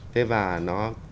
thế và nó dẫn đến